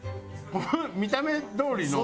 見た目どおりの。